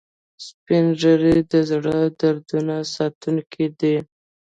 سپین ږیری د زړو دودونو ساتونکي دي